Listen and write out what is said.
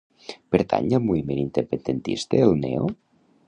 Pertany al moviment independentista el Neo?